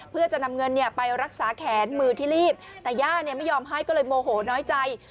เพื่อจะนำเงินไปรักษาแขนมือที่รีบแต่ย่าไม่ยอมให้ก็เลยโมโหน้อยใจ